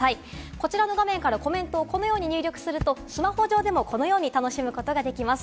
こちらの画面からコメントをこのように入力すると、スマホ上でもこのように楽しむことができます。